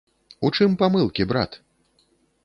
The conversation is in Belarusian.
У чым памылкі, брат?